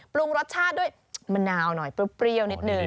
ปรุงรสชาติด้วยมะนาวหน่อยเปรี้ยวนิดนึง